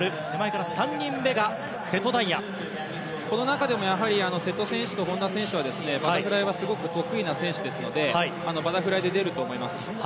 この中でもやはり瀬戸選手と本多選手はバタフライはすごく得意な選手ですのでバタフライで出ると思います。